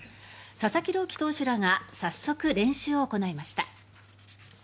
佐々木朗希投手らが早速、練習を行いました。